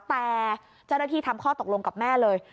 แต่เจ้าหน้าที่ทำข้อตกลงกับแม่เลย